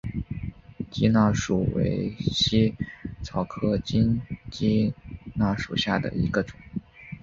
鸡纳树为茜草科金鸡纳属下的一个种。